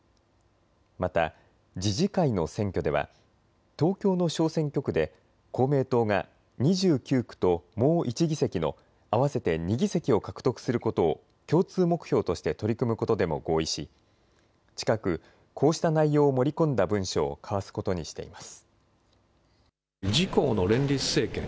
また次々回の選挙では東京の小選挙区で公明党が２９区ともう１議席の合わせて２議席を獲得することを共通目標として取り組むことでも合意し近くこうした内容を盛り込んだ文書を交わすことにしています。